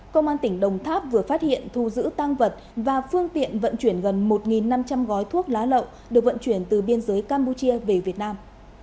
công an tỉnh đồng tháp vừa phát hiện thu giữ tăng vật và phương tiện vận chuyển gần một năm trăm linh gói thuốc lá lậu được vận chuyển từ biên giới campuchia về việt nam